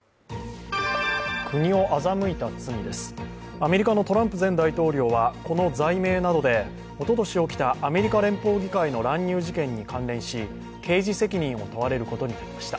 アメリカのトランプ前大統領はこの罪名などでおととし起きたアメリカ連邦議会の乱入事件に関連し刑事責任を問われることになりました。